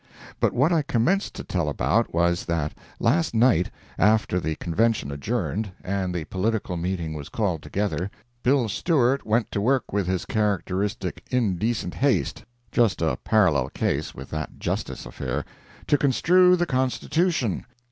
But what I commenced to tell about was, that last night, after the Convention adjourned, and the political meeting was called together, Bill Stewart went to work with his characteristic indecent haste (just a parallel case with that Justis affair), to construe the Constitution!